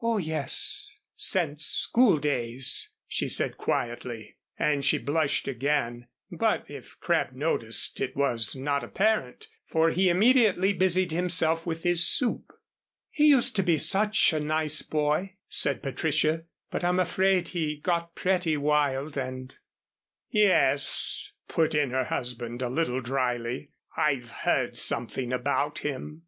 "Oh, yes since school days," she said, quietly. And she blushed again, but if Crabb noticed, it was not apparent, for he immediately busied himself with his soup. "He used to be such a nice boy," said Patricia. "But I'm afraid he got pretty wild and " "Yes," put in her husband, a little dryly. "I've heard something about him."